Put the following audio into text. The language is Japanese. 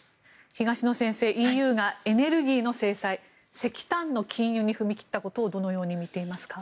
東野先生、ＥＵがエネルギーの制裁石炭の禁輸に踏み切ったことをどのように見ていますか。